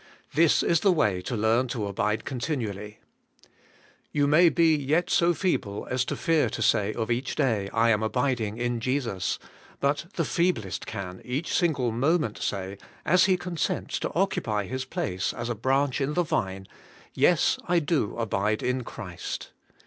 This is the way to learn to abide continually. You may be 116 ABIDE IN CHRIST: yet so feeble as to fear to say of each day, *Iam abiding in Jesus;' but the feeblest can, each single moment, say, as he consents to occupy his place as a branch in the vine, *Yes, I do abide in Christ.'